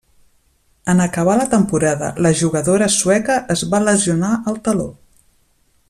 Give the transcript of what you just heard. En acabar la temporada la jugadora sueca es va lesionar al taló.